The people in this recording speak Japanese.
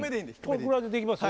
これくらいでできます？